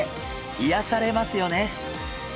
いやされますよね。